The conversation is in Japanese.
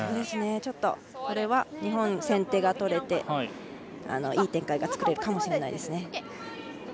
これは日本、先手が取れていい展開が作れるかもしれないですね。